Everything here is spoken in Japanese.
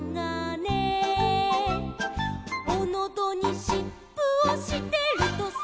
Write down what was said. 「おのどにしっぷをしてるとさ」